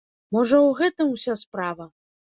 Можа, у гэтым уся справа?